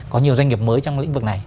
có nhiều doanh nghiệp mới trong lĩnh vực này